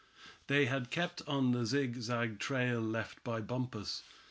They had kept on the zigzag trail left by Bumpus.